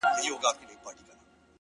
هغه نجلۍ مي اوس پوښتنه هر ساعت کوي ـ